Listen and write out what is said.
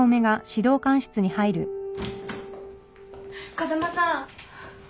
風間さん。